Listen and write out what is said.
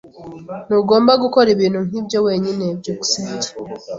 Ntugomba gukora ibintu nkibyo wenyine. byukusenge